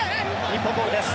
日本ボールです。